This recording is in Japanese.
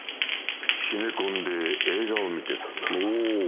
シネコンで映画を見てたな。